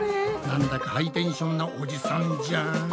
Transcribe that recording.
なんだかハイテンションなおじさんじゃん。